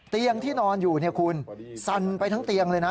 เตียงที่นอนอยู่คุณสั่นไปทั้งเตียงเลยนะ